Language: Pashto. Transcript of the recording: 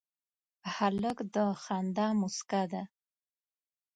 هلک د خندا موسکا ده.